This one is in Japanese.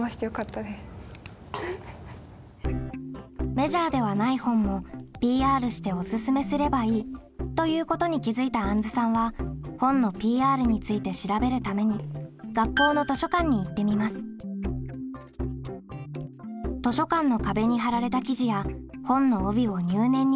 「メジャーではない本もＰＲしておすすめすればいい」ということに気づいたあんずさんは本のＰＲについて調べるために学校の図書館の壁に貼られた記事や本の帯を入念にチェックするあんずさん。